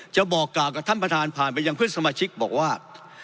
จะบอกกล่าวกับท่านประธานผ่านไปยังเพื่อนสมาชิกบอกว่า